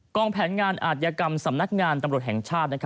องแผนงานอาจยกรรมสำนักงานตำรวจแห่งชาติ